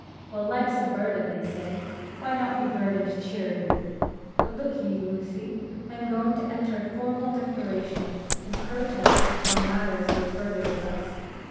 Well, life's a burden, they say; why not be burdened cheerily? But look ye, Lucy, I am going to enter a formal declaration and protest before matters go further with us.